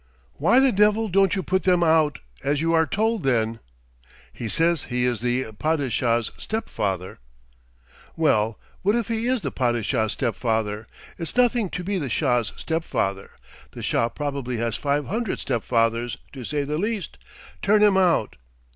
"Why the devil don't you put them out, as you are told, then?" "He says he is the Padishah's step father." "Well, what if he is the Padishah's step father? It's nothing to be the Shah's step father; the Shah probably has five hundred step father's, to say the least turn him out.